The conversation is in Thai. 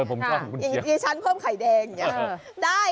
ผมชอบกุญเชียงอย่างนี้ฉันเพิ่มไข่แดงอย่างนี้ได้